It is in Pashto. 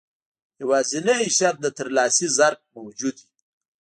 يوازنی شرط د ترلاسي ظرف موجود وي.